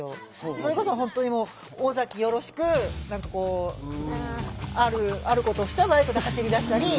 それこそ本当にもう尾崎よろしく何かこうあることをしてはバイクで走りだしたり。